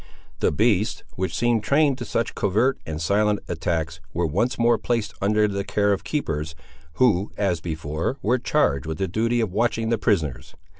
The beasts, which seemed trained to such covert and silent attacks, were once more placed under the care of keepers, who, as before, were charged with the duty of watching the prisoners.